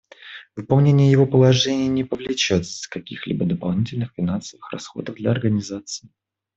Выполнение его положений не повлечет каких-либо дополнительных финансовых расходов для Организации.